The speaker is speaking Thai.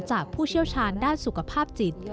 ผู้เชี่ยวชาญด้านสุขภาพจิต